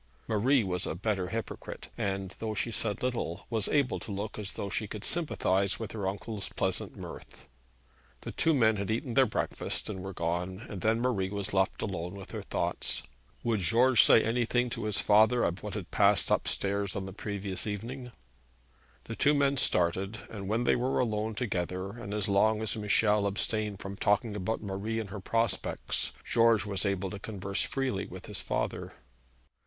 Marie was a better hypocrite, and, though she said little, was able to look as though she could sympathise with her uncle's pleasant mirth. The two men had soon eaten their breakfast and were gone, and then Marie was left alone with her thoughts. Would George say anything to his father of what had passed up stairs on the previous evening? The two men started, and when they were alone together, and as long as Michel abstained from talking about Marie and her prospects, George was able to converse freely with his father.